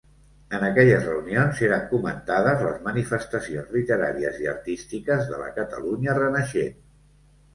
En aquelles reunions eren comentades les manifestacions literàries i artístiques de la Catalunya renaixent.